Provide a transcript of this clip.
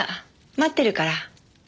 待ってるから。